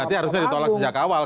berarti harusnya ditolak sejak awal